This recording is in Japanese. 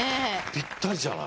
ぴったりじゃない。